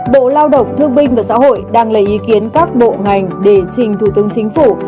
bộ lao động thương binh và xã hội đang lấy ý kiến các bộ ngành để trình thủ tướng chính phủ